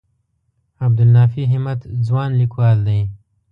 عبدالنافع همت ځوان لیکوال دی.